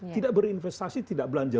tidak berinvestasi tidak belanja